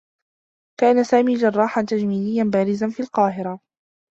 كان سامي جرّاحا تجميليّا بارزا في القاهرة.